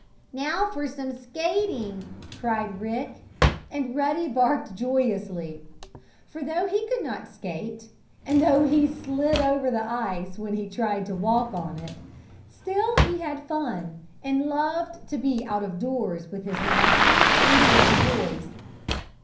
"Now for some skating!" cried Rick. And Ruddy barked joyously. For, though he could not skate, and though he slid over the ice when he tried to walk on it, still he had fun, and loved to be out of doors with his master and the other boys.